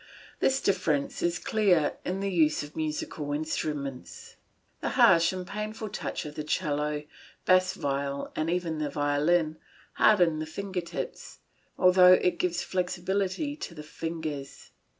This difference is clear in the use of musical instruments. The harsh and painful touch of the 'cello, bass viol, and even of the violin, hardens the finger tips, although it gives flexibility to the fingers.